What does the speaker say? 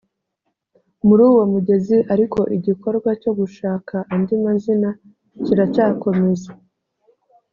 muri uwo mugezi ariko igikorwa cyo gushaka andi mazina kiracyakomeza